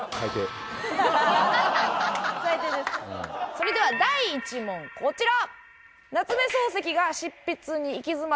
それでは第１問こちら！